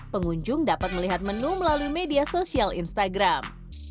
pengunjung dapat melihat menu melalui media sosial instagram